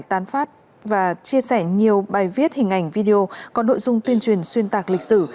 tán phát và chia sẻ nhiều bài viết hình ảnh video còn nội dung tuyên truyền xuyên tạc lịch sử